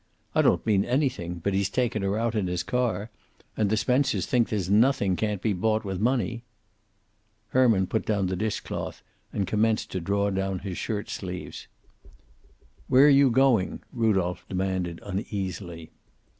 "I don't mean anything. But he's taken her out in his car. And the Spencers think there's nothing can't be bought with money." Herman put down the dish cloth and commenced to draw down his shirt sleeves. "Where you going?" Rudolph demanded uneasily.